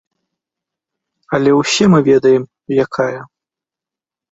Але ўсе мы ведаем, якая.